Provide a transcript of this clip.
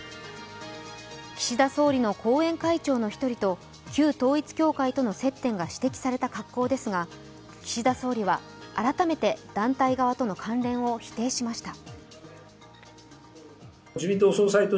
岸田総理の後援会長の１人と旧統一教会との接点が指摘された格好ですが岸田総理は改めて団体側との関連を否定しました。